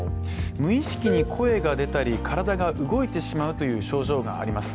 無意識に声が出たり体が動いてしまうという症状があります。